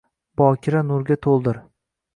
Bokira nurga toʼldir.